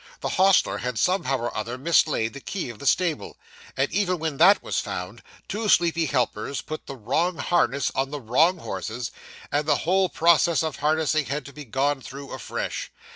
The hostler had somehow or other mislaid the key of the stable, and even when that was found, two sleepy helpers put the wrong harness on the wrong horses, and the whole process of harnessing had to be gone through afresh.